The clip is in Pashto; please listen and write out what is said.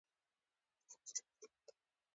کمنټونه د ملګرو پورې محدود کړي وو